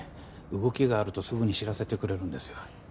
動きがあるとすぐに知らせてくれるんですよ